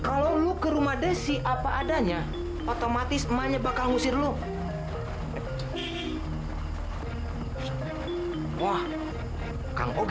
kalau kamu mau ke rumah desa apaan aja emas akan balik ke rumahmu